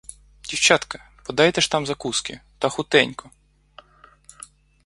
Дівчатка, подайте ж там закуски, та хутенько!